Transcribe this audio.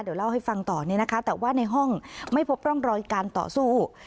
เดี๋ยวเล่าให้ฟังต่อเนี่ยนะคะแต่ว่าในห้องไม่พบร่องรอยการต่อสู้